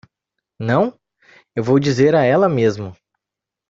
Não? eu vou dizer a ela mesmo.